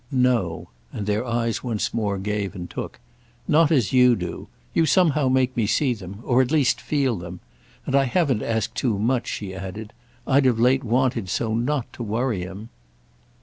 "No"—and their eyes once more gave and took. "Not as you do. You somehow make me see them—or at least feel them. And I haven't asked too much," she added; "I've of late wanted so not to worry him."